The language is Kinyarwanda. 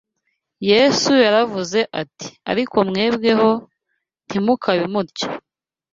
Yesu yaravuze ati: “Ariko mwebweho ntimukabe mutyo